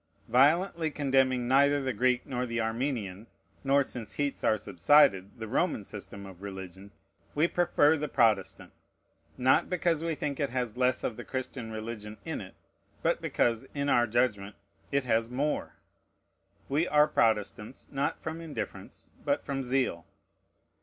Violently condemning neither the Greek nor the Armenian, nor, since heats are subsided, the Roman system of religion, we prefer the Protestant: not because we think it has less of the Christian religion in it, but because, in our judgment, it has more. We are Protestants, not from indifference, but from zeal.